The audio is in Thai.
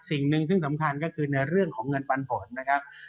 สิ่งหนึ่งซึ่งสำคัญก็คือในเรื่องของเงินปันผลนะครับ